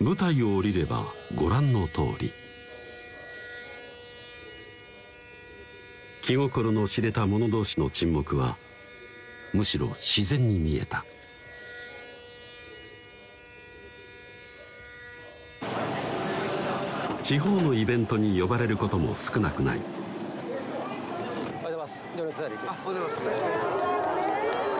舞台を下りればご覧のとおり気心の知れた者同士の沈黙はむしろ自然に見えた地方のイベントに呼ばれることも少なくないおはようございますあっおはようございます